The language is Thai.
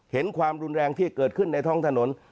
ความรุนแรงที่เกิดขึ้นในท้องถนน